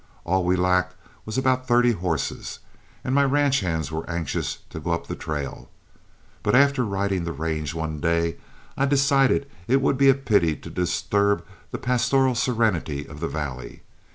All we lacked was about thirty horses, and my ranch hands were anxious to go up the trail; but after riding the range one day I decided that it would be a pity to disturb the pastoral serenity of the valley.